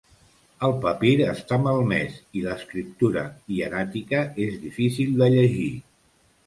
El papir està malmès i l'escriptura, hieràtica, és difícil de llegir.